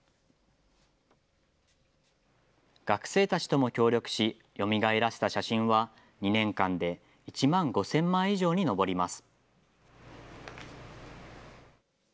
学生たちとも協力し、よみがえらせた写真は、２年間で１万５０００枚以上に上ります。